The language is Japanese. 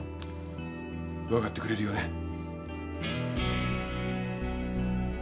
わかってくれるよね？